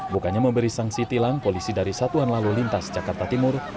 bukannya memberi sanksi tilang polisi dari satuan lalu lintas jakarta timur